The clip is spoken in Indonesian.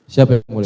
siap yang boleh